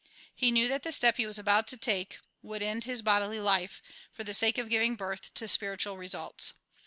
He knew that the step he was about to take would end his bodily life, for the sake of giving birth to spiritual results.